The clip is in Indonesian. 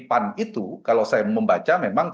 pan itu kalau saya membaca memang